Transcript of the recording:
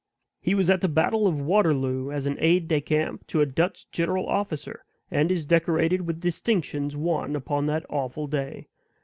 He was at the battle of Waterloo as an aide de camp to a Dutch general officer, and is decorated with distinctions won upon that awful day.